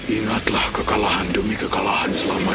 ingatlah kekalahan demi kekalahan selama ini